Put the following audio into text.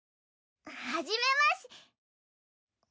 はじめまし。